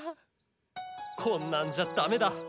こんなんじゃだめだ！